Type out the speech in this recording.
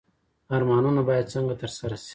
ارمانونه باید څنګه ترسره شي؟